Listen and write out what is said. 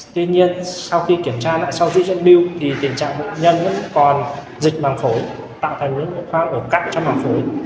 tuy nhiên sau khi kiểm tra lại sau rút dẫn lưu thì tình trạng bệnh nhân còn dịch mảng phổi tạo thành nội khoa ở cạnh trong mảng phổi